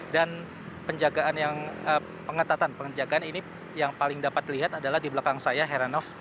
dan penjagaan yang pengetatan penjagaan ini yang paling dapat dilihat adalah di belakang saya heranov